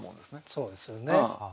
そうですよね。